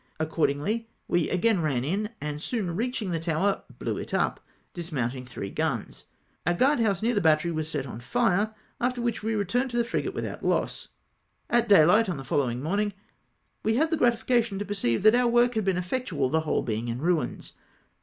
Accordingly, we again ran in, and soon reach ing the tower, blew it up, dismounting three guns. A guard house near the battery was set on fire, after which we returned to the frigate without loss. At dayhght on the following morning we had the gratifi cation to perceive that our work had been effectual, the whole being in ruins.